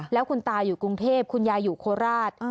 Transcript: แล้วคุณตาอยู่กรุงเทพคุณยายอยู่โคราช